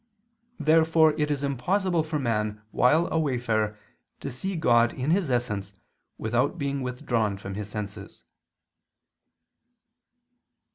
Therefore it is impossible for man while a wayfarer to see God in His essence without being withdrawn from his senses.